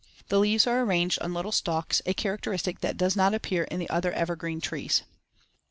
The leaves are arranged on little stalks, a characteristic that does not appear in the other evergreen trees.